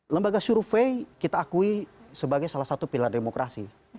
lembaga survei kita akui sebagai salah satu pilar demokrasi